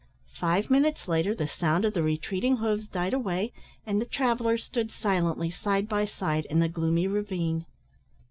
Five minutes later the sound of the retreating hoofs died away, and the travellers stood silently side by side in the gloomy ravine.